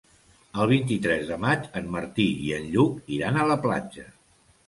El vint-i-tres de maig en Martí i en Lluc iran a la platja.